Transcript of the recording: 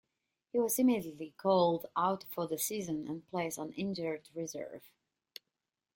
He was immediately called out for the season and placed on injured reserve.